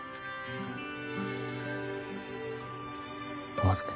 お預け？